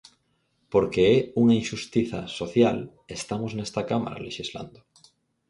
Porque é unha inxustiza social estamos nesta cámara lexislando.